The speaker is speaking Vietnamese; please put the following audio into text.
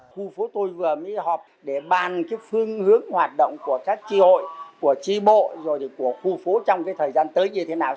khu phố tôi vừa mới họp để bàn phương hướng hoạt động của các tri hội của tri bộ rồi của khu phố trong thời gian tới như thế nào